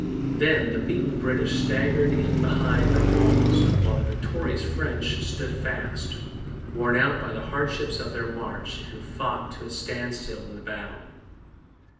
Then the beaten British staggered in behind their walls, while the victorious French stood fast, worn out by the hardships of their march and fought to a standstill in the battle.